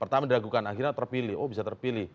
pertama diragukan akhirnya terpilih oh bisa terpilih